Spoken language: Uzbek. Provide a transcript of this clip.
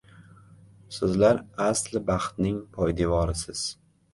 Sizlar asli baxtning – poydevorisiz